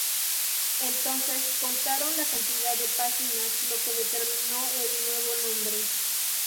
Entonces, contaron la cantidad de páginas, lo que determinó el nuevo nombre.